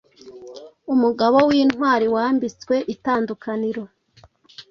Umugabo wintwariwambitswe itandukaniro